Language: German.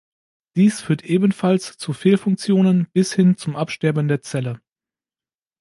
Dies führt ebenfalls zu Fehlfunktionen bis hin zum Absterben der Zelle.